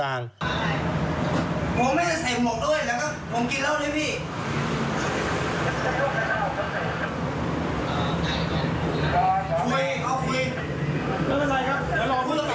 มาไม่คุยพี่